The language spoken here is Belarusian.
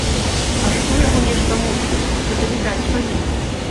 А што яго нешта мучыць, гэта відаць па ім.